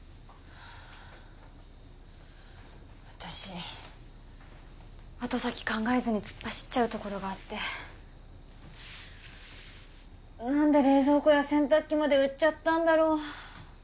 私後先考えずに突っ走っちゃうところがあって何で冷蔵庫や洗濯機まで売っちゃったんだろう